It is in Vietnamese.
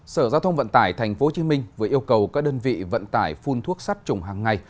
sở giao thông vận tải tp hcm vừa yêu cầu các đơn vị vận tải phun thuốc sát trùng hàng ngày